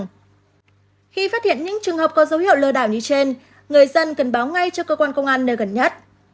khi phát hiện những trường hợp có dấu hiệu lừa đảo như trên người dân cần báo ngay cho cơ quan công an nơi gần nhất